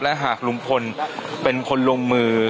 และหากลุงพลเป็นคนลงมือ